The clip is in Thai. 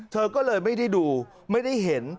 เธอก็เลยไม่ได้ดูไม่ได้เห็น